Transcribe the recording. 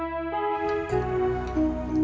nanti kamu bisa pergi ke rumah